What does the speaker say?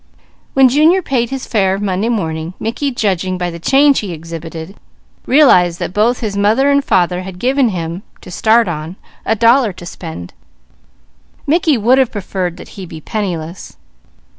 When Junior paid his fare Monday morning, Mickey, judging by the change he exhibited, realized that both his mother and father had given him, to start on, a dollar to spend. Mickey would have preferred that he be penniless.